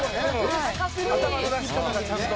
「頭の出し方がちゃんと」